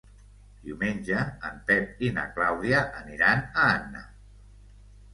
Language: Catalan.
Diumenge en Pep i na Clàudia aniran a Anna.